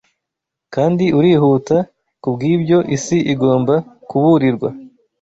kandi urihuta Kubw’ibyo, isi igomba kuburirwa